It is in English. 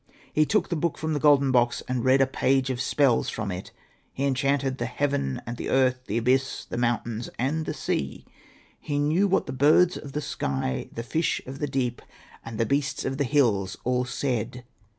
He took the book from the golden box, and read a page of spells from it. He enchanted the heaven and the earth, the abyss, the mountains, and the sea ; he knev^ v^hat the birds of the sky, the fish of the deep, and the beasts of the hills all said.